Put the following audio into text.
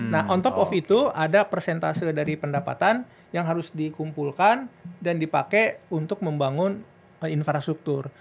nah on top off itu ada persentase dari pendapatan yang harus dikumpulkan dan dipakai untuk membangun infrastruktur